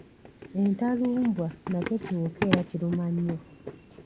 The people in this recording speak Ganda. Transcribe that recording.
Entalumbwa nakyo kiwuka era kiruma nnyo.